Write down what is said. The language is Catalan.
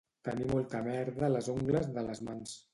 Tenir molta merda a les ungles de les mans